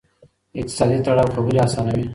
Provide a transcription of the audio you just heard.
اقتصادي تړاو خبرې آسانوي.